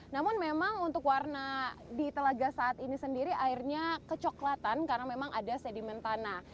namun memang untuk warna di telaga saat ini sendiri airnya kecoklatan karena memang ada sedimen tanah